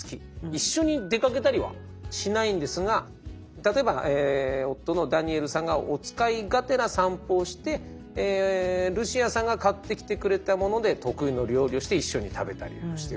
一緒に出かけたりはしないんですが例えば夫のダニエルさんがお使いがてら散歩をしてルシアさんが買ってきてくれたもので得意の料理をして一緒に食べたりしてるという。